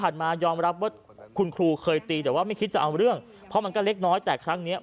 ว่ามันเกินเหตุไปที่ว่าทำกับเด็กแบบนี้